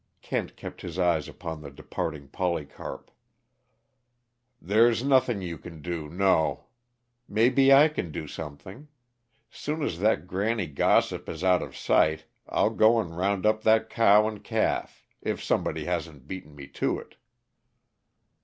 Kent kept his eyes upon the departing Polycarp. "There's nothing you can do, no. Maybe I can do something; soon as that granny gossip is outa sight, I'll go and round up that cow and calf if somebody hasn't beaten me to it."